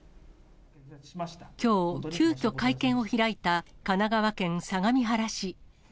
きょう、急きょ会見を開いた神奈川県相模原市。